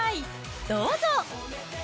どうぞ。